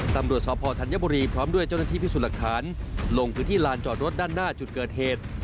ตำรวจสพธัญบุรีพร้อมด้วยเจ้าหน้าที่พิสูจน์หลักฐานลงพื้นที่ลานจอดรถด้านหน้าจุดเกิดเหตุ